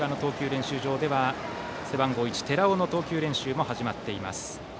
練習場では背番号１の寺尾の投球練習も始まっています。